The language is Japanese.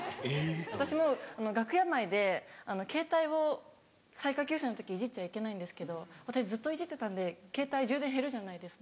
私も楽屋内でケータイを最下級生の時いじっちゃいけないんですけど私ずっといじってたんでケータイ充電減るじゃないですか。